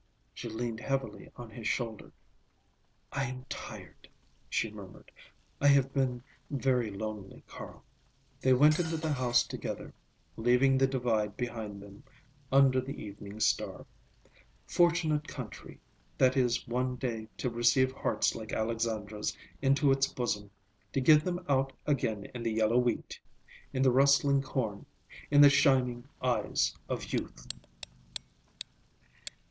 She leaned heavily on his shoulder. "I am tired," she murmured. "I have been very lonely, Carl." They went into the house together, leaving the Divide behind them, under the evening star. Fortunate country, that is one day to receive hearts like Alexandra's into its bosom, to give them out again in the yellow wheat, in the rustling corn, in the shining eyes of youth!